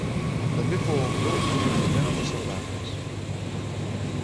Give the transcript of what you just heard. També fou autor d'una dotzena de sardanes.